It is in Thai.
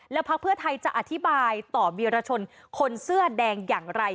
พักเพื่อไทยจะอธิบายต่อวีรชนคนเสื้อแดงอย่างไร